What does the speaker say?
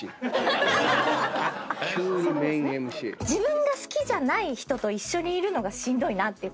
自分が好きじゃない人と一緒にいるのがしんどいなって。